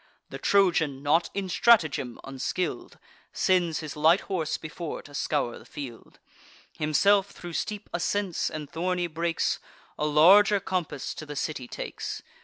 The Trojan, not in stratagem unskill'd, Sends his light horse before to scour the field: Himself, thro' steep ascents and thorny brakes, A larger compass to the city takes.